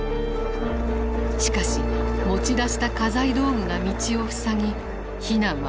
しかし持ち出した家財道具が道を塞ぎ避難は遅れた。